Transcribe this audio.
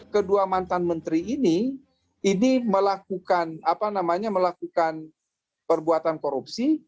kedua mantan menteri ini ini melakukan perbuatan korupsi